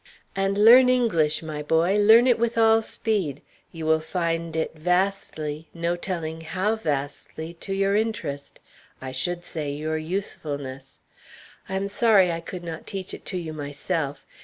"And learn English, my boy; learn it with all speed; you will find it vastly, no telling how vastly, to your interest I should say your usefulness. I am sorry I could not teach it to you myself.